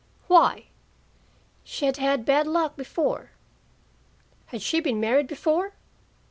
"Why?" "She had had bad luck before." "She had been married before?"